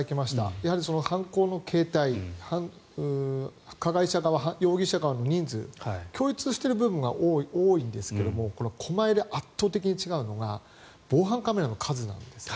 やはり犯行の形態加害者側、容疑者側の人数共通してる部分が多いんですが狛江で圧倒的に違うのが防犯カメラの数なんです。